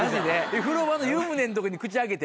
風呂場の湯船んとこに口開けて？